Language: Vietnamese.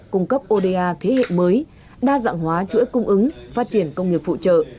cung cấp oda thế hệ mới đa dạng hóa chuỗi cung ứng phát triển công nghiệp phụ trợ